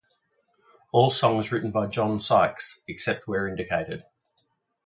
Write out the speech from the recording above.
All songs written by John Sykes, except where indicated.